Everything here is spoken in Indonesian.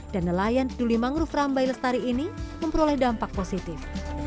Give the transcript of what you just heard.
dan nelayan peduli mangrove rambai lestari ini memperoleh dampak positif